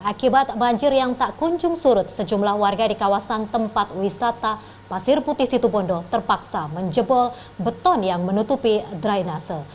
akibat banjir yang tak kunjung surut sejumlah warga di kawasan tempat wisata pasir putih situbondo terpaksa menjebol beton yang menutupi drainase